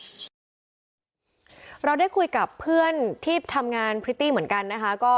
พี่น้องวาวาหรือว่าน้องวาวาหรือว่าน้องวาวาหรือ